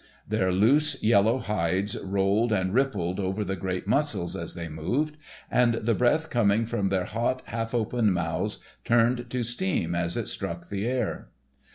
Their loose, yellow hides rolled and rippled over the great muscles as they moved, and the breath coming from their hot, half open, mouths turned to steam as it struck the air.